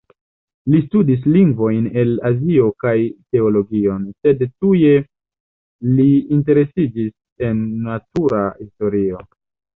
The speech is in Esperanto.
Li studis lingvojn el Azio kaj teologion, sed tuje li interesiĝis en natura historio.